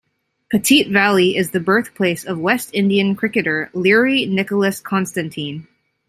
Petit Valley is the birthplace of West Indian cricketer Learie Nicholas Constantine.